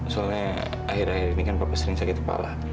soalnya akhir akhir ini kan bapak sering sakit kepala